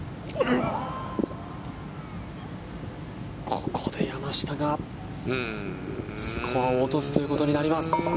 ここで山下が、スコアを落とすということになります。